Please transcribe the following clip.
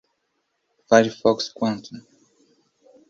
Firefox Quantum